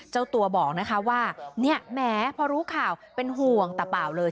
เจ้าตัวบอกนะคะว่าเนี่ยแหมพอรู้ข่าวเป็นห่วงตาเปล่าเลย